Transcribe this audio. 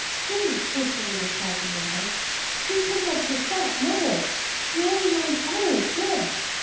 " She !" hastily interrupted the mulatto, " she tink of herself! never — she only mind others' good.